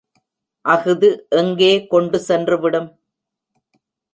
அஃது எங்கே கொண்டு சென்றுவிடும்?